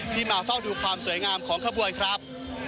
มาเฝ้าดูความสวยงามของขบวนครับ